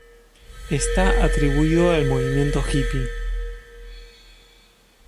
Está atribuido al movimiento hippie.